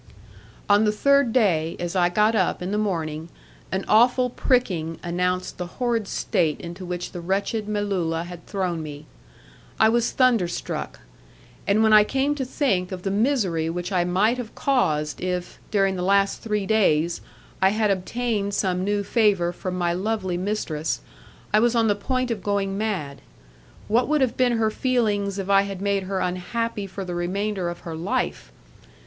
On the third day, as I got up in the morning, an awful pricking announced the horrid state into which the wretched Melulla had thrown me. I was thunderstruck! And when I came to think of the misery which I might have caused if, during the last three days, I had obtained some new favour from my lovely mistress, I was on the point of going mad. What would have been her feelings if I had made her unhappy for the remainder of her life!